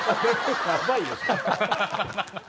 ヤバいよ。